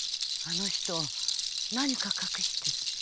あの人何か隠してる。